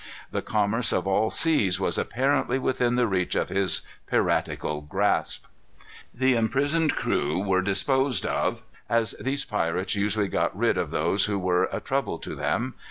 The commerce of all seas was apparently within the reach of his piratical grasp. The imprisoned crew were disposed of as these pirates usually got rid of those who were a trouble to them.